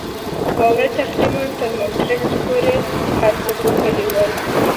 واورو تقریباً تر مونیټریکس پورې هر څه پوښلي ول.